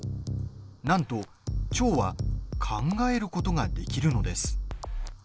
なんと、腸は考えることができるのです。